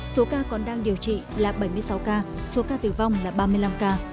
số ca còn đang điều trị là bảy mươi sáu ca số ca tử vong là ba mươi năm ca